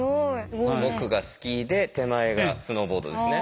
奥がスキーで手前がスノーボードですね。